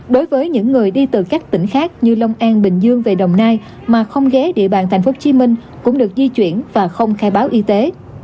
đối với những người đi từ các tỉnh khác như long an bình dương về đồng nai mà không ghé địa bàn tp hcm cũng được di chuyển và không khai báo y tế